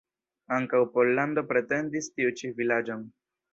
Ankaŭ Pollando pretendis tiu ĉi vilaĝon.